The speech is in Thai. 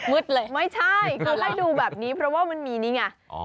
เลยไม่ใช่คือไล่ดูแบบนี้เพราะว่ามันมีนี่ไง